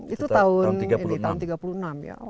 itu tahun tiga puluh enam ya